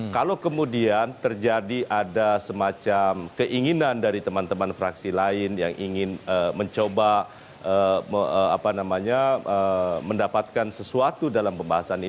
kalau kemudian terjadi ada semacam keinginan dari teman teman fraksi lain yang ingin mencoba mendapatkan sesuatu dalam pembahasan ini